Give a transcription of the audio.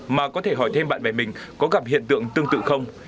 mà có thể hỏi thêm bạn bè mình có gặp hiện tượng tương tự không